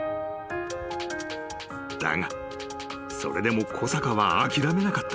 ［だがそれでも小坂は諦めなかった］